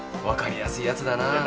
分かりやすいやつだな。